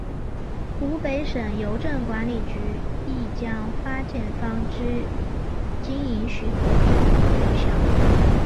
湖北省邮政管理局亦将发件方之经营许可证吊销。